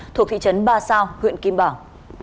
thuộc thị trấn ba sao huyện kim bảng